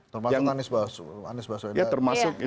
termasuk anies baswedar